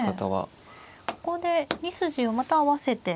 ここで２筋をまた合わせて。